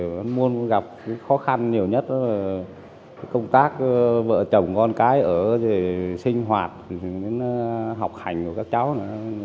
mình muốn gặp khó khăn nhiều nhất là công tác vợ chồng con cái ở để sinh hoạt học hành của các cháu